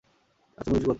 কাজকর্ম কিছুই করত না।